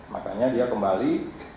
makanya dia kembali